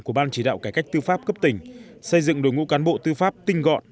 của ban chỉ đạo cải cách tư pháp cấp tỉnh xây dựng đội ngũ cán bộ tư pháp tinh gọn